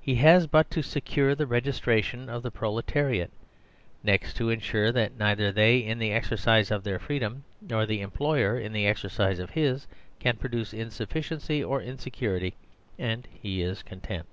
He has but to secure the registration of the proleta riat; next to ensure that neither they in the exercise of their freedom, nor the employer in the exercise of his, can produce insufficiency orinsecurity and he is content.